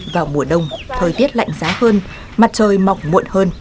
vào mùa đông thời tiết lạnh giá hơn mặt trời mọc muộn hơn